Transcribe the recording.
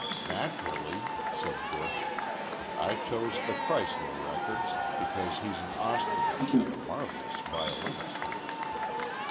"Naturally," said Buch, "I chose the Kreisler records, because he's an Austrian and a marvelous violinist."